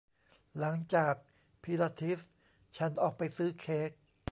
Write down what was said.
หลังจากพิลาทิสฉันออกไปซื้อเค้ก